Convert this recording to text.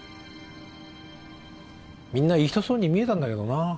みんないい人そうに見えたんだけどな。